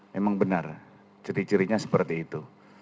memang benar ciri cirinya seperti itu